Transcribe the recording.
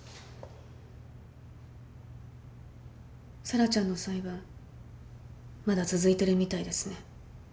沙羅ちゃんの裁判まだ続いてるみたいですね。